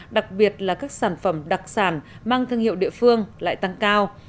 đặc biệt là các sản phẩm đặc sản mang thương hiệu địa phương lại tăng cao